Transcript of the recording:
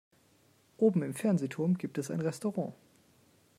Oben im Fernsehturm gibt es ein Restaurant.